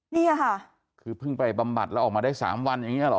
นี่ค่ะคือเพิ่งไปบำบัดแล้วออกมาได้๓วันอย่างนี้หรอ